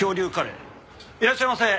いらっしゃいませ。